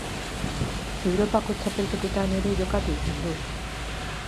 Europako txapelketetan ere jokatu izan du.